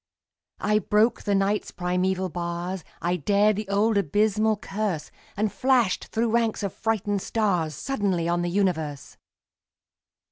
I broke the Night's primeval bars, I dared the old abysmal curse, And flashed through ranks of frightened stars Suddenly on the universe!